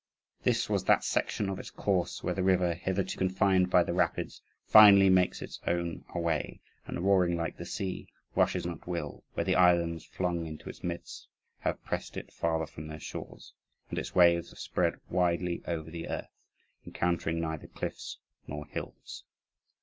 This was that section of its course where the river, hitherto confined by the rapids, finally makes its own away and, roaring like the sea, rushes on at will; where the islands, flung into its midst, have pressed it farther from their shores, and its waves have spread widely over the earth, encountering neither cliffs nor hills.